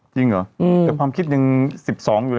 จริงเหรอ